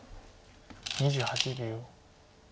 ２８秒。